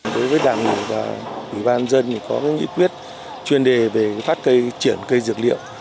đối với đảng và ủy ban dân có nghị quyết chuyên đề về phát cây triển cây dược liệu